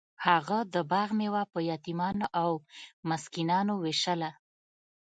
هغه د باغ میوه په یتیمانو او مسکینانو ویشله.